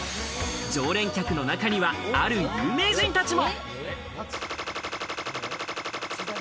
常連客の中には、ある有名人たちも。